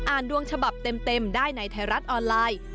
ดวงฉบับเต็มได้ในไทยรัฐออนไลน์